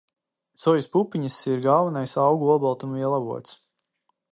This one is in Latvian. Sojas pupiņas ir galvenais augu olbaltumvielu avots.